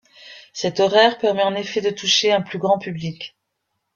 Cet horaire permet en effet de toucher un plus grand public.